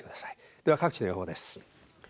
では各地の予報です。